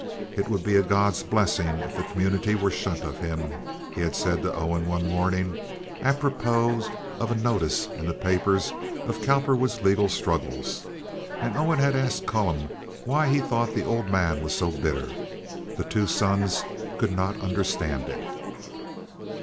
"It would be a God's blessing if the community were shut of him," he had said to Owen one morning, apropos of a notice in the papers of Cowperwood's legal struggles; and Owen had asked Callum why he thought the old man was so bitter. The two sons could not understand it.